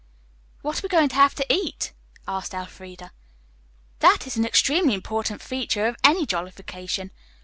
"What are we going to have to eat?" asked Elfreda. "That is an extremely important feature of any jollification.